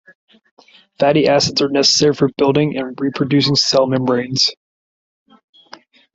Fatty acids are necessary for building and reproducing cell membranes.